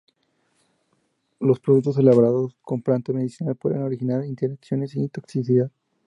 Los productos elaborados con plantas medicinales pueden originar interacciones y toxicidad.